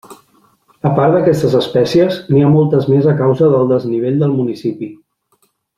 A part d'aquestes espècies, n'hi ha moltes més a causa del desnivell del municipi.